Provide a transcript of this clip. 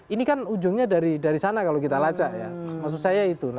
ini kan ujungnya dari sana kalau kita lacak ya maksud saya itu